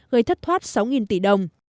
gây thất thoát sáu tỷ đồng